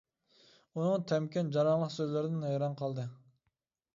ئۇنىڭ تەمكىن، جاراڭلىق سۆزلىرىدىن ھەيران قالدى.